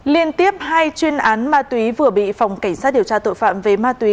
liên tiếp hai chuyên án ma túy vừa bị phòng cảnh sát điều tra tội phạm về ma túy